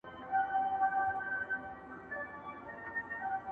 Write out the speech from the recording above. هغوی د پېښي انځورونه اخلي،